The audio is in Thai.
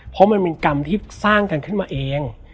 เพราะมันเป็นกรรมที่สร้างกันขึ้นมาเอง